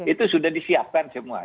itu sudah disiapkan semua